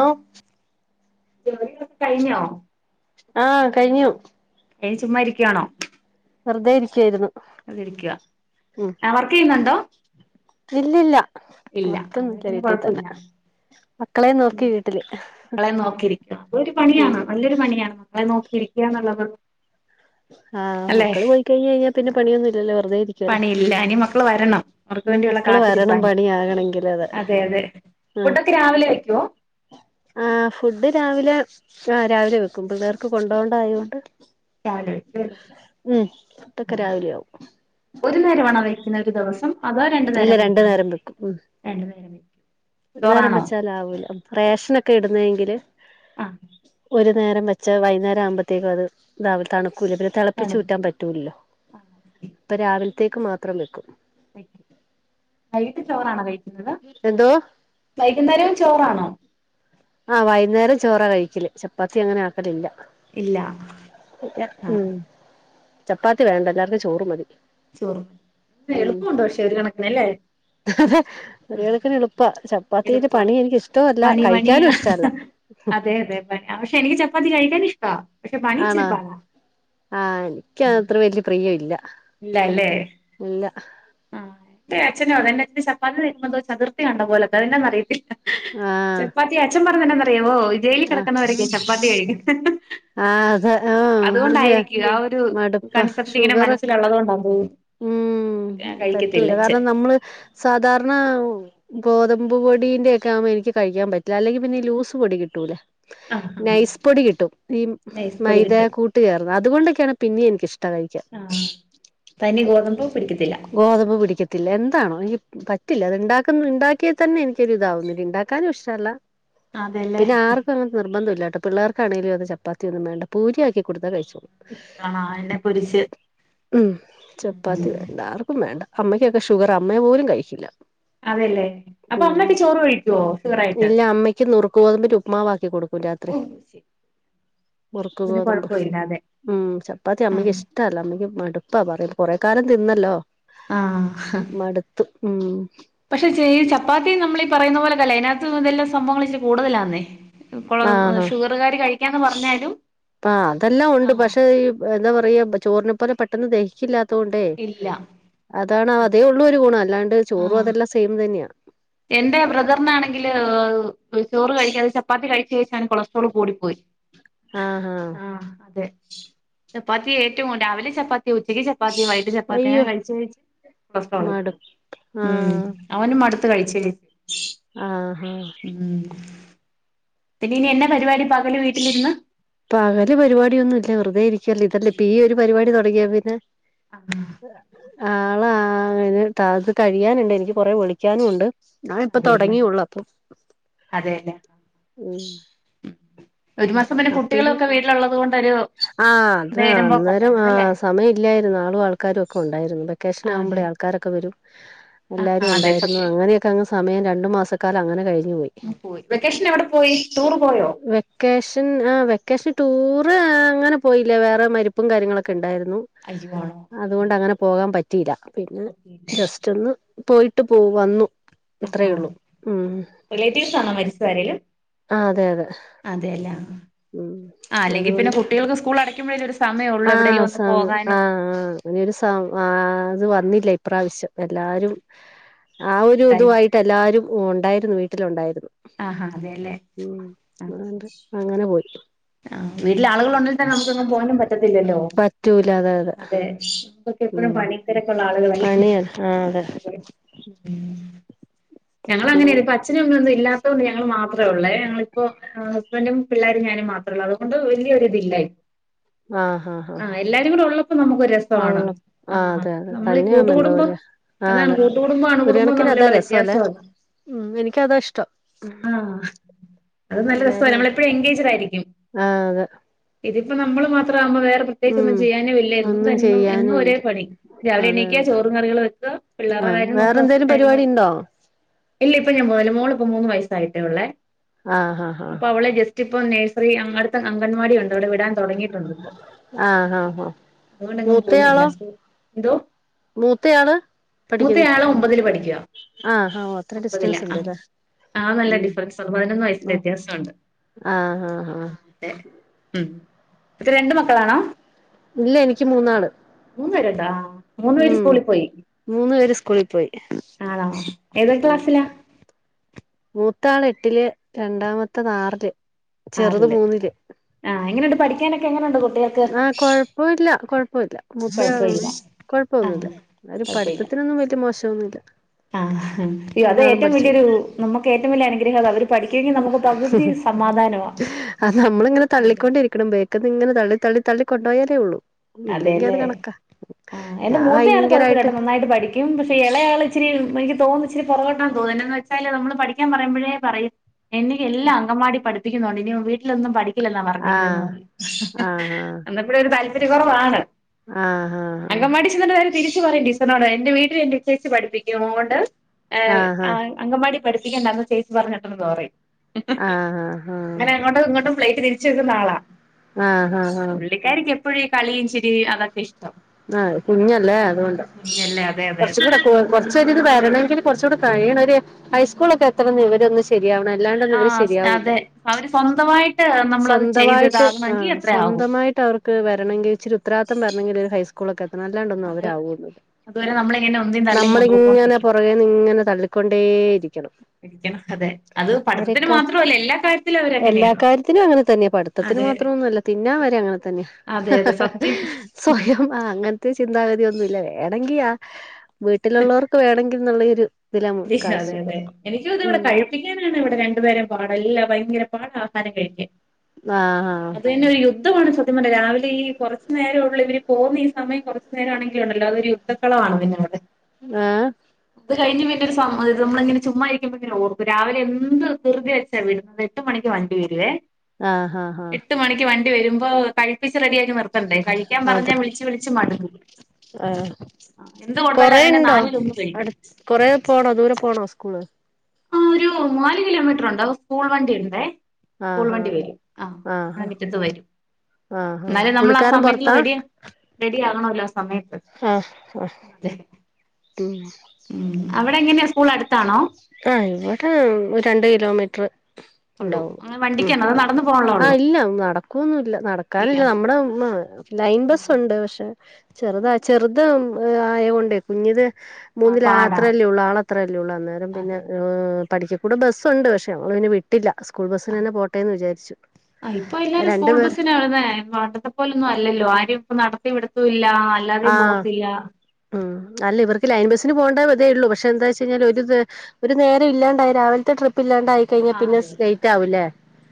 ഓ ജോലിയൊക്കെ കഴിഞ്ഞോ ആഹ് കഴിഞ്ഞു. എഹ് ചുമ്മാ ഇരിക്കണോ വെറുതെ ഇരിക്ക്യായിരുന്നു. വെർതെ ഇരിക്കാ ആഹ് വർക്ക് ചെയ്യുന്നുണ്ടോ ഇല്ലില്ല ഇല്ല അത് വർക്കന്നുല്ല പിന്നെ വീട്ടിൽ തന്നെ. കൊഴപ്പമില്ല മക്കളെ ഉം നോക്കി വീട്ടില് ക്കളെ നോക്കിയിരിക്ക അതൊരു പണിയാ ഉം നല്ലൊരു പണിയാണ് മക്കളെ നോക്കിയിരിക്കന്നത് ആഹ് മക്കള് പോയി കഴിഞ്ഞഴിഞ്ഞാ പിന്നെ പണിയൊന്നുല്ലല്ലോ വെറുതെരി പണിയില്ല ഇനി മക്കള് വരണം അവർക്ക് വേണ്ടിയുള്ള മക്കള് കാത്തിരിപ്പ വരണം പണിയാകണെങ്കില് അതെ അതെ ഫുഡൊക്കെ രാവിലെ വെക്കോ ആ് ഫുഡ് രാവിലെ ആ് രാവിലെ വെക്കും പിള്ളേർക്ക് കൊണ്ടോണ്ട ആയൊണ്ട് രാവിലെ വെ ഉം ഫുഡ്‌ ഒക്കെ രാവിലെ ആവും ഒരു നേരമാണോ വയ്ക്കുന്ന ഒരു ദിവസം അതോ രണ്ടു ഇല്ല നേരം വയ്ക്കുന്നു വെക്കും ഉം രണ്ടു നേരം വയ്ക്കും ഒരു നേരം വെചാലാവൂല ഇല്ല റേഷന ഒക്കെ ഇടുന്നെങ്കില് ആ ഒരു നേരം വച്ചാ വൈന്നേരം ആകുമ്പഴത്തേക്കും അത് രാവിലെ തണുക്കൂല്ല പിന്നെ തിളപ്പച്ച് ഊറ്റാൻ തണുക്കൂ പറ്റു റ്റൂല്ല ആ അപ്പൊ രാവിലത്തേക്ക് മാത്രം വെക്കും വൈകിട്ട് ചോറാണോ കഴിക്കുന്നത് എന്തോ വൈകുന്നേരവും ചോറാണോ ആഹ് വൈന്നേരം ചോറ കഴിക്കല് ചപ്പാത്തി അങ്ങനെ കഴികലില്ല ഇല്ല ആഹ് ഉം ചപ്പാത്തി വേണ്ട എല്ലാർക്കും ചോറ് മതി ചോറ് എളുപ്പമുണ്ടോ പക്ഷെേ ഒരു കണക്കിനല്ലേ ഒരുകണക്കിന് എളുപ്പ ചപ്പാത്തിന്റെ എളുപ്പാ പണി എനിക്ക് ഇഷ്ടല്ല പണി കഴിക്ക പണിയാ കഴിക്കാനും ഇഷ്ട അല്ല അതെ അതെ പക്ഷെ എനിക്ക് ചപ്പാത്തി കഴിക്കാൻ ഇഷ്ട പക്ഷെ പണിച്ചിരിപ്പാടാ ആഹ എനിക്കത്ര വലിയ പ്രിയല്ല ഇല്ലല്ലേ ആഹ് അച്ഛനോ എന്റെ അച്ഛന് ചപ്പാത്തി കാണുമ്പോ ചതുർത്തി കണ്ട പോലെക്കോ അതെന്നാ അറിയത്തില്ല ആഹ് ചപ്പാത്തി അച്ഛൻ പറഞ്ഞന്നെ പറയാമോ ജയിലിൽ ആഹ് കിടക്കുന്നവരൊക്കെ ചപ്പാത്തി കഴിക്കന്നെ ആഹ് അതെ ആഹ് അതുകൊണ്ടായിരിക്കും ആ ഒരു മടുപ്പാ കൺസെപ്റ്റ് ഇങ്ങനെ ഷുഗറൊക്കെ മനസ്സിലുള്ളത്കൊണ്ടതോ ഉം പറ്റൂല്ല കാരണം നമ്മള് സാധാരണ ഗോതമ്പ് പൊടിന്റെ ഒക്കെ ആവുമ്പോൾ എനിക്ക് കഴിക്കാൻ പറ്റില്ല അല്ലെങ്കിൽ പിന്നെ ലൂസ് പൊടി കിട്ടൂലേ ആഹ് ആഹ് നൈസ്‌ പൊടി കിട്ടും ഈ നൈസ് പൊടി മൈദ കിട്ടും കൂട്ട അതുണ്ടെക്കെയാണ് പിന്നെയും എനിക്ക് ഇഷ്ടം കഴിക്ക ആ തനി ഗോതമ്പൂ പിടിക്കത്തില്ല ഗോതമ്പ് പിടിക്കത്തില്ല എന്താണോ പറ്റില്ല അത്ണ്ടാക്കുന്ന ഉണ്ടാക്കിയാൽ തന്നെ എനിക്കൊരു ഇതാവുന്നില്ല ഉണ്ടാക്കാനും ഇഷ്ടല്ല അതെല്ലേ പിന്നെ ആർ അങ്ങനത്തെ നിർബന്ധ ഇില്ലാട്ടോ പിള്ളർകാണെങ്കിലും അത് ചപ്പാത്തി ഒന്നും വേണ്ട പൂരിയാക്കികൊടുത്താ കഴിചോളും ആ എണ്ണേ പൊരിച്ച് ഉം ഉം ചപ്പാത്തി വേണ്ട ആർക്കും വേണ്ട അമ്മകൊക്കെഷുഗറാ അമ്മ പോലും കഴിക്കില്ല അതെല്ലേ അപ്പൊ ഉം അമ്മക്കെ ചോറ് കഴിക്കൂ ഷുഗർ ആയിട്ട് നുറുക്ക ഗോതമ്പിന്റെ ഉപ്പ്മാവാക്കി കൊടുക്ക് രാത്രി മുറുക്ക് പിന്നെ ഗോതമ്പ് കൊഴപ്പമില്ല അതെ ഉം ചപ്പാത്തി അമ്മക്ക് ആഹ് ഇഷ ഇഷ്ടല്ല അമ്മക്ക് മടുപ്പാ പറയും കുറേ കാലം തിന്നല്ലോ ആ മടുത്തു ഉം പക്ഷെ ചെയ ചപ്പാത്തി നമ്മൾ പറയുന്ന പോലെല്ല അതിനകത്ത് ഇതെല്ലാം സംഭവങ്ങളെ കൂടുതലാന്നേ ഇപ്പോൾ ആഹ് ഷുഗറുകാര് കഴിക്കാന്ന് പറഞ്ഞാലും ആ അതെല്ലാം ആ ഉണ്ട് പക്ഷെ ഈ എന്താ പറയാ ചോറിനെ പോലെ പെട്ടെന്ന് ദഹിക്കില്ലാത്തുകൊണ്ടേ ഇല്ല അതാണ് അതെ അതേയൊ ഉള്ള ഗുണം അല്ലാണ്ട് ചോറും ആഹ് അതൊം സെയിം തന്നെയാണ് എന്റെ ബ്രദറിനാണെങ്കില് ചോറ് കഴിക്കാതെ ചപ്പാത്തി കഴിച്ച് കഴിച്ച് കൊളസ്ട്രോൾ കൂടിപ്പോയി ആഹാ ആഹ്അതെ ചപ്പാത്തി ഏറ്റവും ഉണ്ട രാവിലെ ചപ്പാത്തി ഉച്ചയ്ക്ക് ചപ്പാത്തി വൈകി ചപ്പാത്തി അയ്യോ അങ്ങനെകഴിച്ച് കഴിച്ച് കൊളസ്ട്രോൾ ആയി മടു ഇപ്പം മം ആഹ് അവനും മടുത്ത് കഴിച്ച് ആഹ് ഹ ഉം പിന്നെ ഇനി എന്ന പരിപാടി പകല് വീട്ടിലിരുന്ന് പകല് പരിപാടിഒന്നും ഇല്ല വെറുതെ ഇരിക്കല്ലെ ഇതല്ലേ ഇപ്പ ഈ ഒരു പരിപാടി തുടങ്ങിയേ പിന്നെ ആഹ് ആള ആതകഴിയാനുണ്ട് എനിക്ക് കൊറെ വിളിക്കാനുണ്ട് ഞാനിപ്പൊ അതെല്ലേ തൊടങ്ങിയുള്ളൂ അപ്പംഉം അതെല്ലേ ഒരു മാസം പിന്നെ ഇത് കുട്ടികളൊക്കെ വീട്ടിലുള്ളത് കൊണ്ടൊരു ആ അത് നേരം പോക്ക് അന്നേരം ആ ഉണ്ടായിരുന്നല്ലെ അല്ലെ സമയം ഇല്ലായിരുന്നു ആളും ആൾക്കാരും ഒക്കെ ഉണ്ടായിരുന്നു. വെക്കേഷൻ ആഹ് അതെ ആകുമ്പോളെ ആൾക്കാരൊക്കെ വരും ആഹ് എല്ലാരും ആഹ് അതെ ഉണ്ടായിരുന്നു സത്യം അങ്ങനെയൊക്കെ അങ്ങ് സമയം രണ്ടു മാസക്കാലം അങ്ങനെ കഴിഞ്ഞു പോയി പോയി വെക്കേഷന് എവിടെ പോയി ടൂർ പോയോ വെക്കേഷൻ ആ വെക്കേഷൻ ടൂറ് അങ്ങനെ പോയില്ല വേറെ മരിപ്പും കാര്യങ്ങളൊക്കെ ഉണ്ടായിരുന്നു അയ്യോ ആണോ അതുകൊണ്ട് അങ്ങനെ പോകാൻ പറ്റിയില്ല പിന്നെ പറ്റിയില്ല ജസ്റ്റ് ഒന്ന് പോയിട്ട് പോ വന്നു അത്രേ ആഹ് ഉള്ളൂ ഉം. റിലേറ്റീവ്സ് ആണൊ മരിച്ചത് ആരേലും ആ അതെ അതെ അതെല ആ ഹ് ഉം അല്ലെങ്കിൽ പിന്നെ അതുകൊണ്ട് കുട്ടികൾക്ക് സ്കൂൾ അടക്കുമ്പോഴ ആഹ് സമ ആഹ് ആഹ് നൊരു സം ആഹ് അത് വന്നില്ല ഇപ്രാവശ്യം എല്ലാരും ആ ഒരു ഇതായി ഇതുവായിട് ട്ട് എല്ലാരും ഉണ്ടായിരുന്നു വീട്ടിലുണ്ടായിരുന്നു ആഹാ അതെല്ലെ ഉം അതോണ്ട് അങ്ങനെ പോയി ആഹ് വീട്ടില് ആളുകൾ ഉണ്ടങ്കി തന്നെ നമുക്ക് എങ്ങും പോവാനും പറ്റത്തില്ലല്ലോ അതെ നമക്കൊക്കെ എപ്പോളും ഉം പണി തെരക്കുള്ള ആളുകളല്ലെ പണിയാ ആഹ് അതെ ഉം ഞങ്ങള അങ്ങനെ പിന്നെ ഒര് പ അച്ഛനും അമ്മ ഒന്നും ഇല്ലാത്തതോണ്ട് ഞങ്ങള് മാത്രേ ഉള്ളേ ഞങ്ങളിപ്പോ ഹസ്ബന്റും പിള്ളേരും ഞാനും മാത്രേ ഉള്ളതുകൊണ്ട് വല്ല്യ ഒരിതി ഇല്ലായി ആഹ് എല്ലാരും കൂടെ ഉള്ളപ്പോ നമുക്ക് രസമാണ് ഉള്ള ആഹ് അതെ അതെ നമ്മളീ കൂട്ടു തന്നെയാവുമ്പോ എന്തോ കുടുമ്പം പോലെയാ ആഹ് അതാണ് അതെ കൂട്ടുകടുമ്പോ ഒരു അണുകുടുംമ്പോ കണക്കിന് അതാ തമ്മിലുള്ള രസല്ലേ വ്യത്യാസം അത ഉം എനിക്ക് അതാ ഇഷ്ടം അത് നല്ല രസാണ് നമ്മള് എല്ലാരുമായിട്ട് എപ്പോഴും എങ്കേജ്ഡ് ആയിരിക്കും ആഹ് അതെ ഇതിപ്പോ നമ്മള് മാത്രം ആവുമ്പോ വേറെ ഉം പ്രത്യേകിച്ചൊന്നും ചെയ്യാനും ഇല്ല എന്നും ഒന്നും ഇതെന്നെ എന്നും ചെയ്യാനും ഒരേ ഇല്ല പണി രാവിലെ അതെ എണീക്ക അതെ ചോറും കറികളും വെക്ക പിള്ളേരുടെ ആഹ് കാര്യം നോക്കും വേറെന്തേലും ഹസ്ബൻഡ് കാര്യം പരിപാടി നോക്കു ഇണ്ടോ ഇല്ല ഇപ്പൊ ഞാൻ പോവലില്ല മോളിപ്പ മൂന്ന് വയസ്സായിട്ടേ ഉള്ളെ ആഹ് ഹ ഹ മോളെ ജസ്റ്റ് ഇപ്പം നഴ്സറി അങ്ങടുത്തെ അംഗൻവാടി ഉണ്ട് അവിടെ വിടാൻ തുടങ്ങിട്ടുണ്ട് ഇപ്പൊ ആഹ് ഹ ഹ അതുകൊണ്ടെങ്ങും പോകുന്നില്ല മൂത്തയാളോ എന്തോ മൂത്തയാള് പഠിക്കുന്നേ മൂത്തയാള് ഒമ്പതിൽ പഠിക്കുവാ ആഹ് ഹ അത്ര ഡിസ്റ്റൻസ് ഉണ്ട്ല്ലേ ആഹ് നല്ല ഉം ഡിഫ്രറൻസ്ണ്ട്. പതിനൊന്ന് വയസിന്റെ ആഹ് വ്യത്യാസം ഉണ്ട് ആഹ് ആഹ് ആഹ് അതെ ഉം ഇപ്പ രണ്ട് മക്കളാണോ ഇല്ല എനിക്ക് മൂന്നാള് മൂന്ന് പേരുണ്ടോ മൂന്നു പേര് ഉം സ്കൂളിൽ പോയി മൂന്ന് പേര് സ്കൂളിൽ പോയി ആണോ ഏതെക്കെ ഉം ക്ലാസ്സിലാ മൂത്താള് എട്ടില് രണ്ടാമത്തെത് ആറില് ചെറുത് ആറ്ല് മൂന്നില് ആഹ് എങ്ങനെയുണ്ട് പഠിക്കാനൊക്കെ എങ്ങനെയുണ്ട് കുട്ടികൾക്ക് വീട്ട്ലാ കുഴപ്പല്ല മുത്തയാ കുഴപ്പമില്ല ആ കുഴപ്പമൊന്നുമില്ല എന്നാലും പഠിത്തത്തിനൊന്നും വലിയ മോശം ന്നുല്ല. ആഹ് അയ്യോ അത് ഏറ്റവും വലിയൊരു നമുക്ക് ഏറ്റവും വലിയ അനുഗ്രഹം അതാ അവര് പഠിക്കുമെങ്കിൽ നമുക്ക് പകുതി സമാധാനാ അത് നമ്മളിങ്ങനെ അതെ തള്ളിക്കൊണ്ടിരിക്കണം ബേക്ക്ന്ന് ഇങ്ങന തള്ളി തള്ളി കൊണ്ടോയാലേ ഉള്ളൂ. ഇല്ലെങ്കി അത് അതെല്ലേ കണക്കാ അഹ് എന്റെ ഞാൻ മൂത്തയാണ് ഭയങ്കരായിട്ട് കുഴപ്പമില്ലാട്ടോ നന്നായിട്ട് പഠിക്ക യും പക്ഷെ ഇളയാൾ ഇച്ചിരി എനിക്ക് തോന്നുന്നു ഇച്ചിരി പുറകോട്ടാ തോന്ന എന്നാന്ന് വച്ചാല് നമ്മള് പഠിക്കാൻ പറയുമ്പോഴേ പറയും എന്നെ എല്ലാം അങ്കവാടി പഠപ്പിക്കുന്നുണ്ട് ഇനി വീട്ടിലൊന്നും പഠി ഇല്ലന്നാ പറഞ്ഞേക്കന്ന് ആഹ് പറഞ്ഞു ആഹ് എന്ന പിന്നെ ഒരു താല്പര്യ കുറവാണ് ആഹ് ആഹ് ആഹ് ചെന്നിട്ട് പേര് തിരിച്ചു പറയും ടീചെർനോഡ് എന്റെ വീട്ടിൽ എന്നെ ഇച്ചേച്ചി പഠിപ്പിക്കും അതോണ്ട് ആഹ് ആഹ് അംഗൻവാടി പഠിപ്പിക്കേണ്ടാന്ന് ചേച്ചി പറഞ്ഞിട്ടെന്ന് പറയും ആഹ് ആഹ് അങ്ങനെ അങ്ങോട്ടും ഇങ്ങോട്ടും പ്ലേറ്റ് തിരിച്ചു വെക്കുന്ന ആളാ ആഹ് ആഹ് ആഹ് പിള്ളേർക്ക് എപ്പോഴും കളി ചിരി അതൊക്കെ ഇഷ്ടം അഹ് കുഞ്ഞല്ലേ അതുകൊണ്ട് കുഞ്ഞല്ലേ അതെ അതെ കുറച്ച അതെ കിടക്ക കുറച്ച ഇത് വരണമെങ്കിൽ കുറച്ചുകൂടെ കഴിയണ ഒരു ഹൈസ്കൂൾ ഒക്കെ എത്തണം ഇവരൊന്ന് ശേ ശരിയാവണം അല്ലാണ്ടന്ന് ഇവര് ആഹ് ശരിയാവില്ല അതെ അവര് സ്വന്തമായിട്ട് നമ്മളത് ചെയ്ത് സ്വന്തമായിട്ട് ഇതാകണമെങ്കിൽ അഹ് എത്ര ആകും സ്വന്തമായി ട്ട് അവർക്ക് വരണെങ്കി ഇച്ചിരി ഉത്തരവാദിത്യം വരാണെങ്കിൽ ഹൈ സ്കൂൾ ഒക്കെ എ എല്ലാണ്ടൊന്നും അത് അവരാവുള്ളൂ അതുവരെ നമ്മളിങ്ങനെ ഒന്നിനും തള്ളിയും നമ്മളിങ്ങനെ കൊണ്ടുപോയിക്കൊണ്ടിരിക്കും പുറകേ ഇങ്ങനെ തള്ളിക്കൊണ്ടേയിരിക്കണം ഇരിക്കണം അതെ അത് പഠിപ്പിന് അവരൊക്കെ മാത്രല്ല എല്ലാ കാര്യത്തിലും അവരെ എല്ലാ കാര്യത്തിനും അങ്ങനെ തന്നെ പഠി മൊത്തത്തിൽ മാത്രല്ല ഒന്നുല്ല തിന്നാ വരെ അങ്ങനെ തന്നെ അതെ അതെ സത്യം സ്വയം അഹ് അങ്ങനത്തെ ചിന്താഗതി ഒന്നുല്ല വേണെങ്കിൽ ആഹ് വീട്ടിലുള്ളവർക്ക് വേണെങ്കിൽ എന്നുള്ളരു അതെ അതെ എനിക്കുത് ഇവിടെ കഴി കഴിക്കാനാണ് ഇവിടെ രണ്ടുപേരും പാട് ല്ലാ ഭയങ്കര പാട്ടിആഹാരം കഴിക്കാൻ ആഹ് അത് തന്നെ ഒരു യു യുദ്ധമാണ് സത്യം പറഞ്ഞാ രാവിലെ ഈ കുറച്ച നേരഉള്ളുവർ പോന്ന ഈ സമയം കുറച്ച് നേരാണെങ്കിലു ഉണ്ടല്ലോ അതൊരു യുദ്ധ [unintelligible] മേ അത് കഴിഞ് പി സ നമ്മള ഇങ്ങനെ ചുമ്മാരിക്കുമ്പോ ഇങ്ങനെ ഓർക്കും രാവിലെ എന്ത് ദൃതി വെച്ചാ വിടുന്നെ എട്ട് മണിക്ക് വണ്ടി വരുവേ ആഹ് ആഹ് ആഹ് എട്ട് മണിക്ക് വണ്ടി വരുമ്പോ കഴിപ്പിച്ച് റെഡിയാക്കി നിർ പന്തേ കഴിക്കാൻ പറഞ്ഞ അതെ വിളിച്ച് വിളിച്ച് മടു ആ അഹ് എന്ത് കൊടുത്താലും അതിന്റെ നാലില് ഒന്ന് കഴിക്കും കൊറെ പോണോ ദൂരെ പോണോ സ്കൂള്? ആ ഒരു മൂന്നാലു കിലോമീറ്ററുണ്ട് അപ്പൊ സ്കൂൾ വണ്ടിണ്ടെ. സ്കൂൾ ആഹ് വണ്ടി വരും ആഹ് നമ്മടെ മിറ്റത് വരും. ആഹ് ആഹ് എന്നാലും നമ്മളാ പുള്ളിക്കാരൻ സമയത്തില് പുറത്താ റെഡി, റെഡി ആകണല്ലോ ആ സമയത്ത്. അഹ്, ആഹ്. അതെ ഉം അവിടെ എങ്ങനെയാ സ്കൂൾ അടുത്താണോ? ആഹ് ഇവിടെ രണ്ട് കിലോമീറ്റർ. ഉള്ളൂ ഉണ്ടാവു അങ്ങനെ ഉം വണ്ടിക്കാണോ അതോ നടന്നു പോകാനുള്ള ആഹ് ഉള്ളോ ഇല്ല നടക്കുവൊന്നുംല്ല ഇല്ല നടക്കാനില്ല നമ്മുടെ ഉമ്മ. ലൈൻ ആ ബസ്സുണ്ട് പക്ഷെ ചെറുത ചെറുത് ആയ കൊണ്ടേ കുഞ്ഞിത്. ആ, മൂന്നിൽ പാടാ അത്രയല്ലേ ഉള്ളൂ ആള് അത്രയല്ലേ ഉള്ളൂ അന്നേരം പിന്നെ അതെ അതെ പഠിക്കകൂടെ ബസ്സുണ്ട് പക്ഷെ നമ്മ പിന്നെ വി വിട്ടില്ല സ്കൂൾ ആ ബസിന് തന്നെ പോട്ടെന്ന് വിചാരിച്ചു ആ ഇപ്പൊ എല്ലാരും രണ്ടു പേര്. [inaudible] പോലൊന്നും അല്ലല്ലോ ആരെയും ഇപ്പൊ നടത്തി വിടുത്തുല്ല. അഹ് അഹ് അല്ല ഉം. ഇവർക്ക് ലൈൻ ബസ്. ബസ്സിന് പോണ്ട വിതേള്ളൂ പക്ഷെ എന്താച്ച് കഴിഞ്ഞാല് ഒരു നേരം ഇല്ലാണ്ടായി രാവിലത്തെ ട്രിപ്പ് ഇല്ലാണ്ടായി. കഴിഞ്ഞ ആ പിന്നെ അതെ അതെ ലേറ്റ് ആവുല്ലേ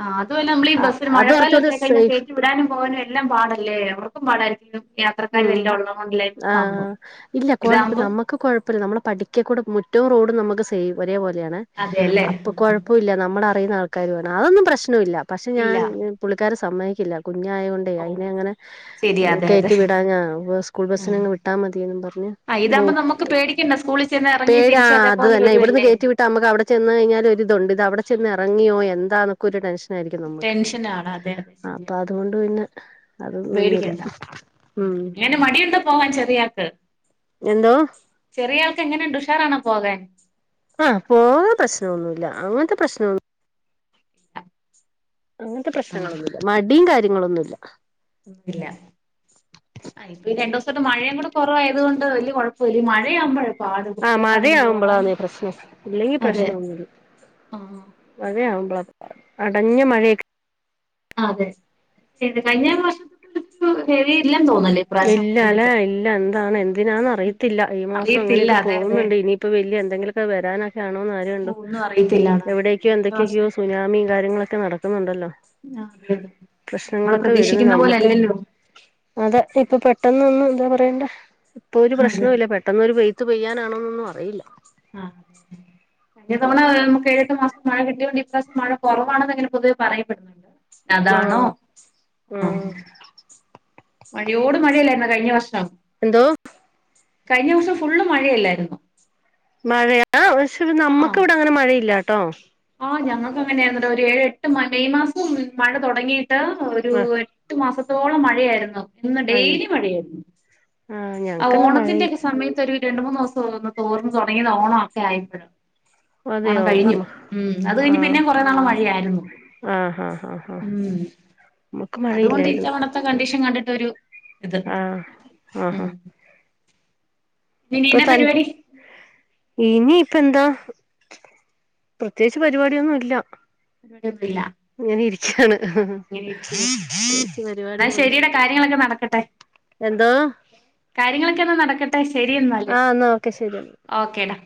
ആ അതുമല്ല നമ്മൾ ഈ ബസ്സിന് അത് മഴക്കാലം ഒക്കെ കുറച്ചോടെ ആയിക്കഴിഞ്ഞാൽ സേഫ്. കയറ്റി വിടാനും പോകാനും എല്ലാം പാടല്ലേ അവർക്കും പാടായിരിക്കും. യാത്രക്കാരും ഉം എല്ലാം ഉള്ളത് കൊണ്ടല്ലേ ആഹ് സംഭവം ഇല്ല കൊഴപ്പില്ല ഇതാകുമ്പോ നമ്മക്ക് കൊഴപ്പില്ല നമ്മള പഠി പഠിക്കക്കൂട മുറ്റവും റോഡും നമുക്ക് സെയിം ഒരേ പോലെയാണ് അതെയല്ലേ അപ്പോ കൊഴ പ്പോല്ല നമ്മള അറിയുന്ന ആൾക്കാര് വേണം അതൊന്നും പ്രശ്നോല്ല പക്ഷേ ഇല്ല ഞാൻ. പുള്ളിക്കാരൻ സമ്മതിക്കില്ല കുഞ്ഞായോണ്ടെ ഓ അതിനെ അങ്ങനെ ശരി അതെ കേ അതെ കേറ്റിവിടാഞ്ഞാ സ്കൂൾ ഉം ബസിനങ്ങ് വിട്ടാ മതിയന്ന് പറഞ്ഞ് ആ ഇതാകുമ്പോ മൂത്ത്. നമുക്ക് പേടിക്കണ്ട സ്കൂളിൽ ചെന്ന് ഇറങ്ങി പേര തിരിച്ച് അത് അതേപോലെ തന്നെ ഇവിടന്ന് വരുവല്ലേ കേറ്റിവി ട്ട നമുക്ക് അവിടെ ചെന്ന് കഴിഞ്ഞാൽ ഒരിതുണ്ട് ഇത് അവിടെ ചെന്ന് എറങ്ങിയോ എന്താന്ന്. ഒരു ടെൻഷൻ ആയിരിക്കും നമ്മുക്ക് ടെൻഷനാണ് അതെ അതെ ശരിയാ അപ്പൊ അതുകൊണ്ട് പിന്നെ അതിന് ഇതാവുമ്പോ നിന്നില്ല. പേടിക്കണ്ട ഉം എങ്ങനെ മടിയുണ്ടൊ പോവാൻ ചെറിയാക്ക്? എന്തോ? ചെറിയ ആൾക്ക് എങ്ങനെണ്ട് ഉഷാറാണോ പോകാൻ? ആഹ് പോകാൻ പ്രശ്നൊന്നുല്ല അങ്ങനത്തെ പ്രശ്നൊന്നും. അങ്ങനത്തെ ആഹ് പ്രശ്നങ്ങളൊന്നുല്ല മടിയും കാര്യങ്ങളൊന്നുല്ല. ഇല്ല. ആ ഇപ്പ ഈ രണ്ട് ദിവസട്ട് മഴയും കൂടെ കുറവായതു കൊണ്ട് വലിയകൊഴൊപ്പല്ല മഴയാമ്പൊഴാ. ആഹ് മഴയാവുമ്പോളാണ് ഈ പ്രശ്നം. ഇല്ലെങ്കി അതെ പ്രശ്നൊന്നുല്ല. ആഹ് മഴയാവുമ്പളപാട് അടഞ്ഞ മഴയൊക്കെ. അതെ പെയ്തകഴിഞ്ഞ വർഷത്തെ പോല. ഇല്ല അല്ലെ കണ്ടിട്ട് ഇല്ല എന്താണ് എന്തിനാന്ന് അറിയത്തില്ല. ഈ മാസം അറിയത്തില്ല അങ്ങനെയൊക്കെ അതെ അതെ പോകുന്നുണ്ട് ഇനിയിപ്പോ വലിയ എന്തെങ്കിലുക്കെ വരാനൊക്കെ ആണോന്ന് ആരു കണ്ടു ഒന്നും അറിയത്തില്ലാടാ എവിടെ. അത് ക്കോ കഴിഞ്ഞ വർഷം എന്തൊക്കെക്കെയോ സുനാമിം കാര്യങ്ങളൊക്കെ നടക്കുന്നുണ്ടല്ലോ. ആ അതെ അതെ നമ്മള് പ്രശ്നങ്ങളൊക്ക വരുന്ന് പ്രതീക്ഷിക്കുന്ന പോലെ നമുക്ക്. അല്ലല്ലോ അതെ ഇപ്പൊ പെട്ടെന്നൊന്നും എന്താ പറയേണ്ട ഇപ്പൊ ഒരു അതെ പ്രശ്നവും ഇല്ല പെ പെട്ടെന്നൊരു വെയ്ത്ത് പെയ്യാനാണെന്നൊന്നും അറിയില്ല. ആഹ് കഴിഞ്ഞതവണ നമുക്ക് ഏഴെട്ടു മാസം മഴ കിട്ടിയോണ്ട് ഇ ഇപ്രാവശ്യം മഴ കുറവാണെന്ന് ഇങ്ങനെ പൊതുവെ പറയപ്പെടുന്നുണ്ട്. അതാണോ ആഹ് ആ ആഹ് മഴയോട് മഴയല്ലാരുന്നോ കഴിഞ്ഞ വർഷം. എന്തോ? കഴിഞ്ഞോസം ഫുള്ള് മഴയല്ലായിരുന്നോ. മഴയാ പക്ഷെ നമ്മക്ക് ഇവടെ അങ്ങനെ മഴയില്ലാട്ടോ. ആഹ് ഞങ്ങക്ക് അങ്ങനായിരുന്നെടോ ഒരു ഏഴ് എട്ട് മാ മെയ് മാസം മഴ തൊടങ്ങിയിട്ട് ഒരു ആ എ ട്ടു മാസത്തോളം മഴയായിരുന്നു. അന്ന് അയ്യോ ഡെയ്ലി മഴയായിരുന്നു. ആഹ് ആ ഞങ്ങക്കന്ന് ഓണത്തിന്റെ മഴയില്ല ഒക്കെ സമയ ത്തൊരു രണ്ട് മൂന്നോസം ഒന്ന് തോർന്നു തുടങ്ങിയത് ഓണം ഒക്കെ ആയപ്പഴ്. അതെയോ മ ഉം അത് കഴിഞ്ഞ് പിന്നേം കൊറെ നാള് മഴയായിരുന്നു. ആഹ് ആഹ് ആഹ് ആഹ് ഉം നമുക്ക് അതുകൊണ്ട് മഴയില്ലായിരുന്നു ഇത്തവണ ത്തെ കണ്ടീഷൻ കണ്ടിട്ടൊരു ഇത്. ആഹ് ഉം. ആഹാ പിന്നെ ഇപ്പൊ എന്നാ തൻ പരിപാടി ഇനി ഇപ്പ എന്താ. പ്രത്യേകിച്ച് പരിപാടിയൊന്നും ഇല്ല. [unintelligible] ഇങ്ങനെ ഇരിക്ക്യാണ് ആഹ് ഇങ്ങനെ ഇരിക്കുന്നു പ്രത്യേകിച്ച് എന്നാ ശരിയടാ പരിപാടികളൊന്നുല്ല. കാര്യങ്ങളൊക്കെ നടക്കട്ടെ എന്തോ? കാര്യങ്ങളൊക്കെ എന്നാ നടക്കട്ടെ ശരിയെന്നാല്. ആഹ് എന്നാ ഓക്കെ ശരി ഓക്കേ ടാ.